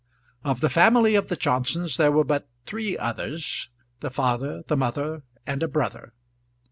Of the family of the Johnsons there were but three others, the father, the mother, and a brother.